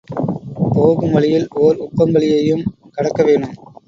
போகும் வழியில் ஓர் உப்பங்கழியையும் கடக்கவேனும்.